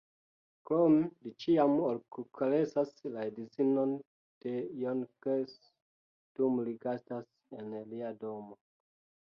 Krome, li ĉiam okulkaresas la edzinon de Jankeus dum li gastas en lia domo.